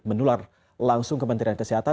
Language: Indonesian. menular langsung ke menteri kesehatan